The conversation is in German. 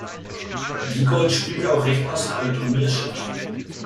Giegold spielte auch recht passabel Turnierschach.